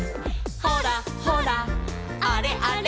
「ほらほらあれあれ」